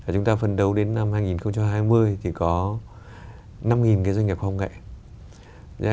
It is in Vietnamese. chúng ta phân đấu đến năm hai nghìn hai mươi thì có năm cái doanh nghiệp khoa học công nghệ